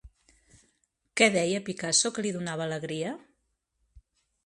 Què deia Picasso que li donava alegria?